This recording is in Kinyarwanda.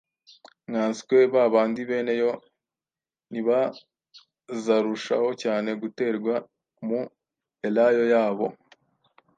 nkaswe ba bandi bene yo, ntibazarushaho cyane guterwa mu elayo yabo?